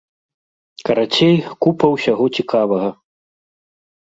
Карацей, купа ўсяго цікавага.